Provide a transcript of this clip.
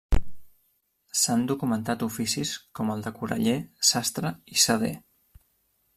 S'han documentat oficis com el de coraller, sastre i seder.